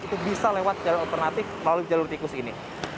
itu bisa lewat jalan alternatif melalui jalur tikus ini